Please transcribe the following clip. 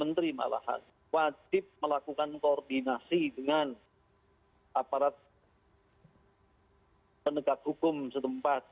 menteri malah wajib melakukan koordinasi dengan aparat penegak hukum setempat